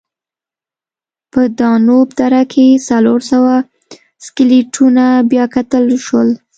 په دانوب دره کې څلور سوه سکلیټونه بیاکتل وشول.